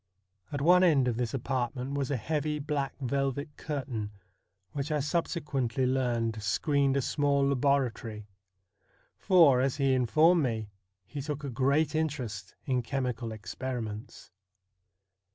At one end of this apartment was a heavy black velvet curtain, which I subsequently learned screened a small laboratory ; for, as he informed me, he took a great interest in chemical experiments.